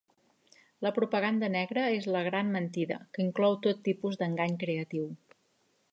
La propaganda negra és la "gran mentida", que inclou tot tipus d'engany creatiu.